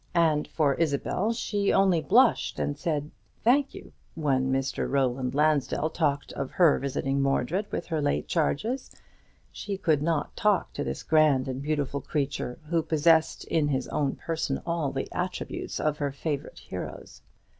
And for Isabel, she only blushed, and said, "Thank you," when Roland Lansdell talked of her visiting Mordred with her late charges. She could not talk to this grand and beautiful creature, who possessed in his own person all the attributes of her favourite heroes.